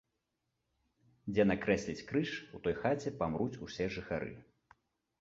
Дзе накрэсліць крыж, у той хаце памруць усе жыхары.